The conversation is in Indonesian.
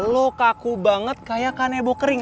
lo kaku banget kayak kanebo kering